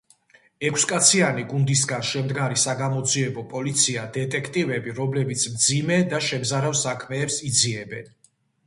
ექვსკაციანი გუნდისგან შემდგარი საგამოძიებო პოლიცია დეტექტივები, რომელებიც მძიმე და შემზარავ საქმეებს იძიებენ.